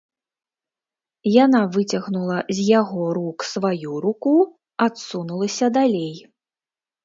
Яна выцягнула з яго рук сваю руку, адсунулася далей.